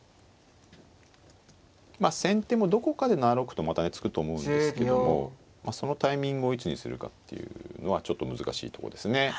まあ先手もどこかで７六歩とまたね突くと思うんですけどもそのタイミングをいつにするかっていうのはちょっと難しいとこですね。